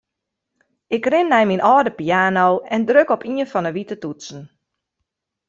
Ik rin nei myn âlde piano en druk op ien fan 'e wite toetsen.